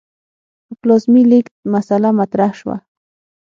د پلازمې لېږد مسئله مطرح شوه.